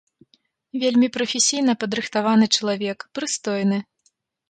Вельмі прафесійна падрыхтаваны чалавек, прыстойны.